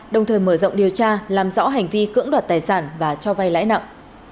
đồng thời mở rộng điều tra làm rõ hành vi cưỡng đoạt tài sản và cho vay lãi nặng